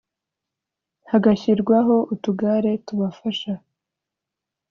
hagashyirwaho utugare tubafasha